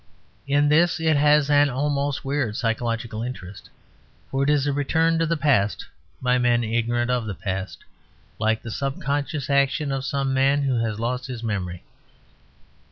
In this it has an almost weird psychological interest, for it is a return to the past by men ignorant of the past, like the subconscious action of some man who has lost his memory.